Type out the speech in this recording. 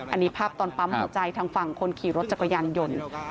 อันนี้ภาพตอนปั๊มหัวใจทางฝั่งคนขี่รถจักรยานยนต์